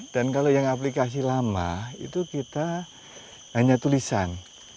dan kalau yang aplikasi lama itu kita hanya tulisan